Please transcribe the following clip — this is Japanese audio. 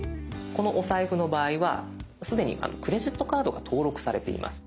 このおサイフの場合はすでにクレジットカードが登録されています。